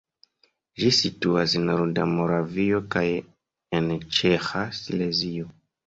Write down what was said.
Ĝi situas en norda Moravio kaj en ĉeĥa Silezio.